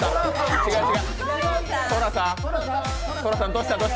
違う違う。